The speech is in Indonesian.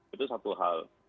itu satu hal